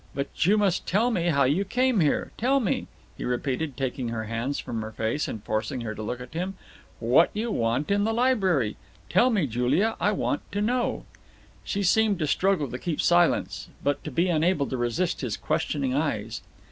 But you must tell me how you came here. Tell me," he repeated, taking her hands from her face, and forcing her to look at him, "what you want in the library. Tell me, Julia, I want to know." She seemed to struggle to keep silence, but to be unable to resist his questioning eyes.